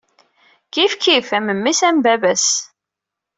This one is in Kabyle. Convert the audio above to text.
Kifkif, am mmi-s am baba-s.